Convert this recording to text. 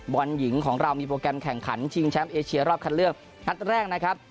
บอลหญิงของเรามีโปรแกรมแข่งขันชิงแชมป์เอเชียรอบคันเลือกนัดแรกนะครับ